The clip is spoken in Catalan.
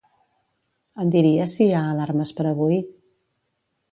Em diries si hi ha alarmes per avui?